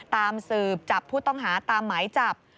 ตามสืบจับผู้ต้องหาตามหมายจับ